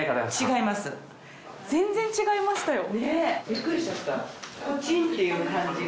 全然違いましたよ。ねぇ。